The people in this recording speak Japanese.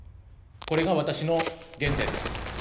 これが私の原点です。